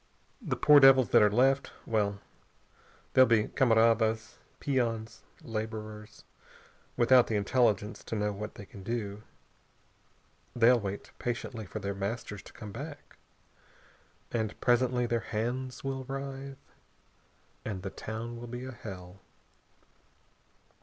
The poor devils that are left well they'll be camaradas, peons, laborers, without the intelligence to know what they can do. They'll wait patiently for their masters to come back. And presently their hands will writhe.... And the town will be a hell."